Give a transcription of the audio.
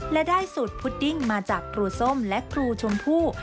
และได้สูตรพุดดิ้งมาจากครูส้มและครูชมพู่